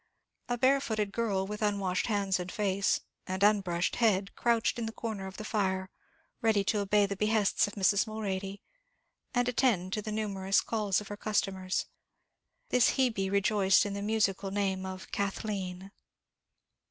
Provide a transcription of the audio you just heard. A barefooted girl, with unwashed hands and face, and unbrushed head, crouched in the corner of the fire, ready to obey the behests of Mrs. Mulready, and attend to the numerous calls of her customers. This Hebe rejoiced in the musical name of Kathleen.